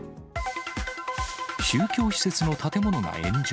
宗教施設の建物が炎上。